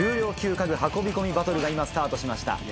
家具運び込みバトルが今スタートしました。